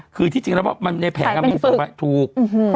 คือที่จริงแล้วว่าในแผงมันถูก